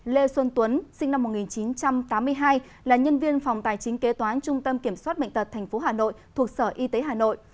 bảy lê xuân tuấn sinh năm một nghìn chín trăm tám mươi hai nhân viên phòng tài chính kế toán trung tâm kiểm soát bệnh tật thành phố hà nội thuận sở y tế hà nội